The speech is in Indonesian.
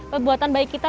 perbuatan baik kita